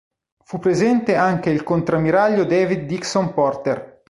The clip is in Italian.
Fu presente anche il contrammiraglio David Dixon Porter.